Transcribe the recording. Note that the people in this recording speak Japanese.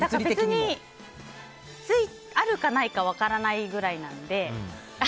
別に、あるかないか分からないぐらいなので。